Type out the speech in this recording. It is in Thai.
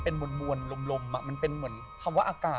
ปรากฏว่า